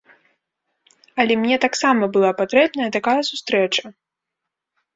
Але мне таксама была патрэбная такая сустрэча.